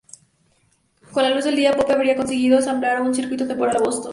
Con la luz del día, Pope habría conseguido ensamblar un circuito temporal a Boston.